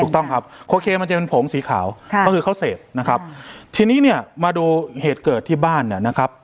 ถูกต้องครับโคเคมันจะเป็นผงสีขาวค่ะก็คือเขาเสพนะครับทีนี้เนี่ยมาดูเหตุเกิดที่บ้านเนี่ยนะครับ